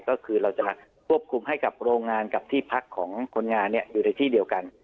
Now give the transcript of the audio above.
ก็คือเราจะควบคุมให้กับโรงงานกับที่พักของคนงานอยู่ในที่เดียวกัน